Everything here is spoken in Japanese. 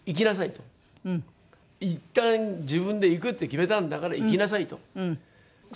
「いったん自分で行くって決めたんだから行きなさい」と。